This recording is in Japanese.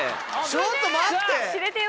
ちょっと待って！